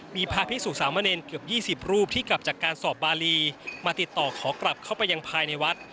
มีพระพิสุสามเณรเกือบ๒๐รูปที่กลับจากการสอบบารีมาติดต่อขอกลับเข้าไปยังภายในวัด